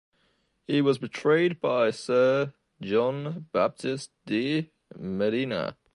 He was portrayed by Sir John Baptist de Medina.